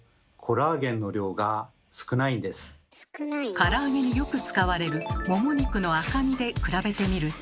から揚げによく使われるもも肉の赤身で比べてみると。